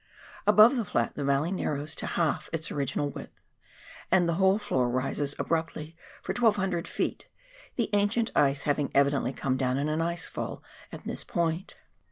Above the flat the valley narrows to balf its original width, and the whole floor rises abruptly for 1,200 ft., the ancient ice having evidently come down in an ice fall at this point.